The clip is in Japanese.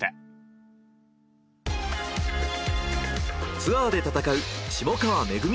ツアーで戦う下川めぐみ